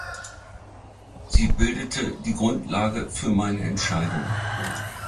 Sie bildete die Grundlage für meine Entscheidung.